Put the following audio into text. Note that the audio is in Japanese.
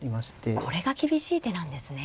これが厳しい手なんですね。